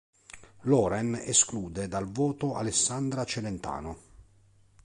Lauren esclude dal voto Alessandra Celentano.